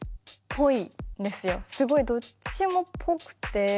すごいどっちもぽくて。